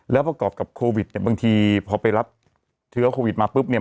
แล้วประกอบกับโควิดเนี่ยบางทีพอไปรับเชื้อโควิดมาปุ๊บเนี่ย